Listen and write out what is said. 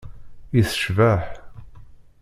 I tecbeḥ!